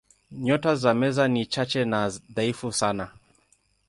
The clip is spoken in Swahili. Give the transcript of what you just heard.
Nyota za Meza ni chache na dhaifu sana.